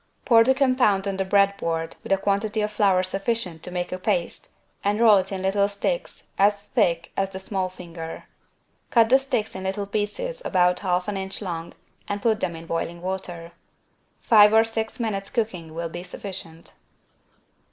Pour the compound on the bread board with a quantity of flour sufficient to make a paste and roll it in little sticks as thick as the small finger. Cut the sticks in little pieces about half an inch long and put them in boiling water. Five or six minutes' cooking will be sufficient.